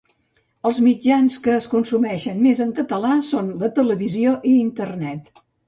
Els mitjans que es consumeixen més en català són la televisió i internet.